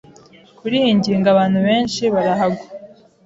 Kuri iyi ngingo abantu benshi barahagwa.